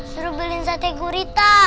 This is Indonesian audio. suruh beliin sate gurita